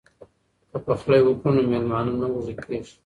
که پخلی وکړو نو میلمانه نه وږي کیږي.